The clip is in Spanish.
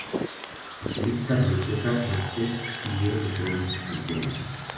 En política religiosa los tres siguieron diferentes criterios.